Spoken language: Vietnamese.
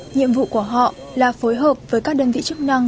nhiệm vụ của họ là phối hợp với các đơn vị chức năng